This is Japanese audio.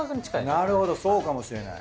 なるほどそうかもしれない。